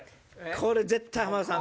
これ絶対浜田さん